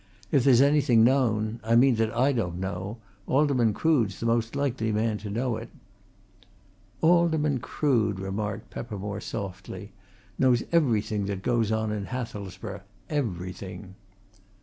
If there's anything known I mean that I don't know Alderman Crood's the most likely man to know it." "Alderman Crood," remarked Peppermore softly, "knows everything that goes on in Hathelsborough everything!"